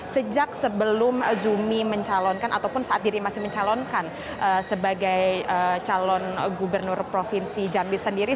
sejak sebelum zumi mencalonkan ataupun saat diri masih mencalonkan sebagai calon gubernur provinsi jambi sendiri